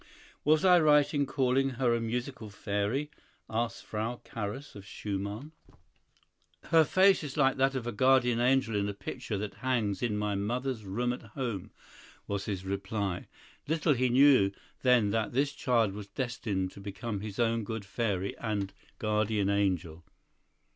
"Was I right in calling her a Musical fairy'?" asked Frau Carus of Schumann. "Her face is like that of a guardian angel in a picture that hangs in my mother's room at home," was his reply. Little he knew then that this child was destined to become his own good fairy and "guardian angel."